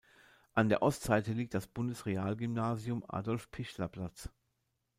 An der Ostseite liegt das Bundesrealgymnasium Adolf-Pichler-Platz.